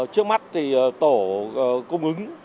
trước mắt thì tổ cung ứng